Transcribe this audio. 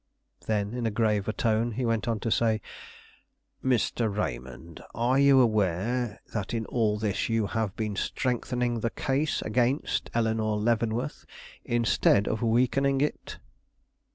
Then, in a graver tone, he went on to say: "Mr. Raymond, are you aware that in all this you have been strengthening the case against Eleanore Leavenworth instead of weakening it?"